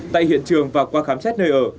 tại hiện trường và qua khám xét nơi ở